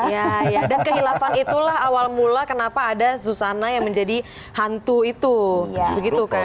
iya ya dan kehilafan itulah awal mula kenapa ada susana yang menjadi hantu itu